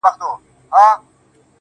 هغې ويل په پوري هـديــره كي ښخ دى .